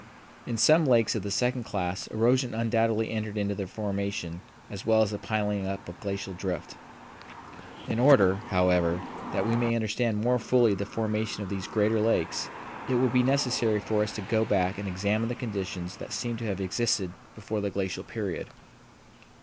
In some lakes of the second class erosion undoubtedly entered into their formation as well as the piling up of glacial drift. In order, however, that we may understand more fully the formation of these greater lakes it will be necessary for us to go back and examine the conditions that seem to have existed before the glacial period.